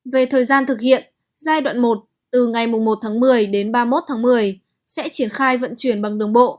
về thời gian thực hiện giai đoạn một từ ngày một tháng một mươi đến ba mươi một tháng một mươi sẽ triển khai vận chuyển bằng đường bộ